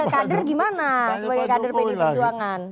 kader gimana sebagai kader pdi perjuangan